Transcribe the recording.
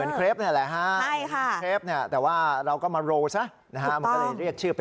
เอาเป็นว่ามันจะเรียกว่าอะไรก็ตามค่ะไม่ว่าจะเป็นครีปโรว์หรือว่าครีปเกียว